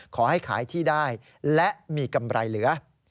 ขอให้ขายที่ได้และมีกำไรเหลือ